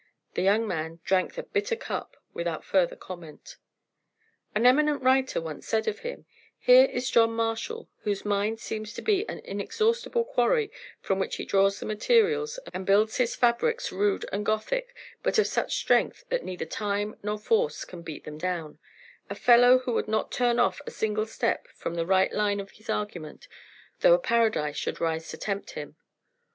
The young man drank the bitter cup without further comment. An eminent writer once said of him: Here is John Marshall, whose mind seems to be an inexhaustible quarry from which he draws the materials and builds his fabrics rude and Gothic, but of such strength that neither time nor force can beat them down; a fellow who would not turn off a single step from the right line of his argument, though a paradise should rise to tempt him.